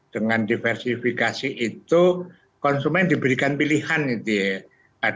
dengan diversifikasi itu konsumen diberikan pilihan gitu ya